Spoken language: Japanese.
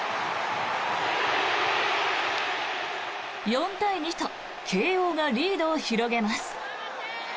４対２と慶応がリードを広げます。